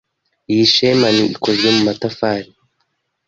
Iyi chimney ikozwe mumatafari.